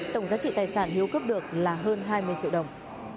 tổng giá trị tài sản hiếu cướp được là hơn hai mươi triệu đồng